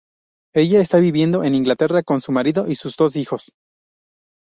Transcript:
Ella está viviendo en Inglaterra con su marido y sus dos hijos.